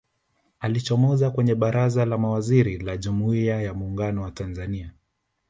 alichomoza kwenye baraza la mawaziri la jamhuri ya muungano wa tanzania